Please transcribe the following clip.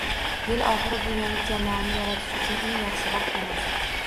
Yil oxiri - bu yangi jamoani yaratish uchun eng yaxshi vaqt emas